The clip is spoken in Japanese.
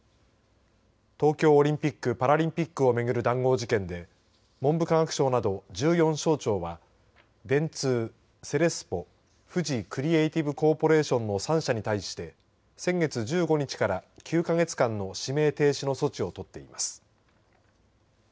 東京オリンピック・パラリンピックを巡る談合事件で文部科学省など１４省庁は電通、セレスポフジクリエイティブコーポレーションの３社に対して先月１５日から９か月間の指名停止の措置を取っています。